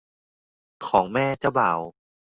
ของแม่เจ้าบ่าว